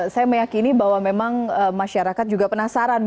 saya meyakini bahwa memang masyarakat juga penasaran